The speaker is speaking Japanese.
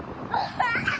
ハハハハ！